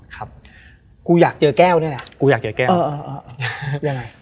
กูอยากเจอแก้วเนี่ยอย่างไร